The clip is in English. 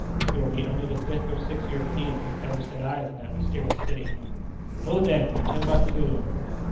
"You will be only the fifth or sixth European who has ever set eyes on that mysterious city." "Ho, then, for Timbuctoo!"